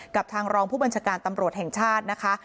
กับทางรองผู้บัญชาการตำรวจแห่งชาตินะคะ